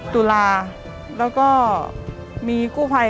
ตุลาแล้วก็มีกู้ภัย